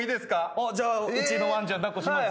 うちのワンちゃん抱っこします？